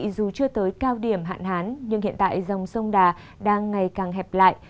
dù chưa tới cao điểm hạn hán nhưng hiện tại dòng sông đà đang ngày càng hẹp lại